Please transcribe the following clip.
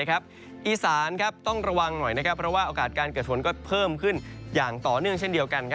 อีสานต้องระวังหน่อยเพราะว่าโอกาสการเกิดฝนก็เพิ่มขึ้นอย่างต่อเนื่องเช่นเดียวกัน